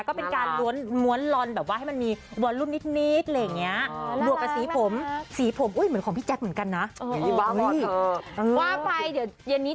ก็เป็นการล้วนลอนแบบว่าให้มันมีวอลรุ่นนิดอะไรอย่างนี้